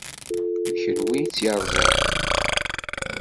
D kenwi i tt-yeṛẓan.